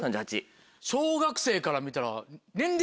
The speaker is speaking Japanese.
小学生から見たら。